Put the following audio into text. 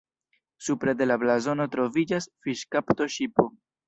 Supre de la blazono troviĝas fiŝkapto-ŝipo.